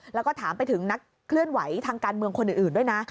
แล้วก็ถามไปถึงนักเคลื่อนไหวทางการเมืองคนอื่นด้วยนะ